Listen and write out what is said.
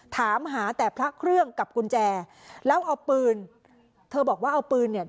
ถามหาแต่พระเครื่องกับกุญแจแล้วเอาปืนเธอบอกว่าเอาปืนเนี่ย